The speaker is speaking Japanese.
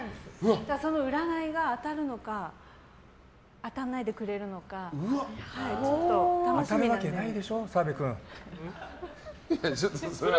その占いが当たるのか当たらないでくれるのか当たるわけないでしょ、澤部君。